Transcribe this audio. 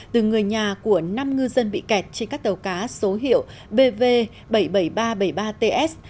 từ người nhà của năm ngư dân bị kẹt trên các tàu cá số hiệu bv bảy mươi bảy nghìn ba trăm bảy mươi ba ts